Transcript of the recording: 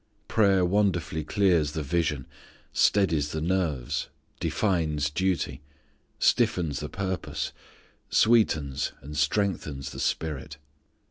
Prayer wonderfully clears the vision; steadies the nerves; defines duty; stiffens the purpose; sweetens and strengthens the spirit.